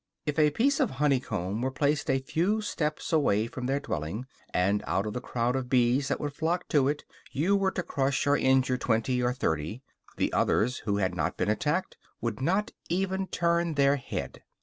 If a piece of honeycomb were placed a few steps away from their dwelling, and out of the crowd of bees that would flock to it you were to crush or injure twenty or thirty, the others who had not been attacked would not even turn their head.